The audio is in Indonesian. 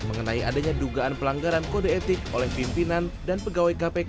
mengenai adanya dugaan pelanggaran kode etik oleh pimpinan dan pegawai kpk